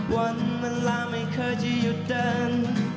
วันเวลาไม่เคยจะหยุดเต้น